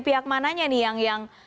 pihak mananya nih yang